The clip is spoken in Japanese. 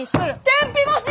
天日干し！